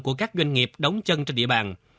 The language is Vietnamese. của các doanh nghiệp đóng chân trên địa bàn